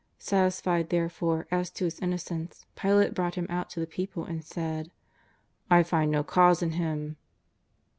Satisfied, therefore, as to His innocence, Pilate brought Him out to the people and said: '^ I find no cause in Him."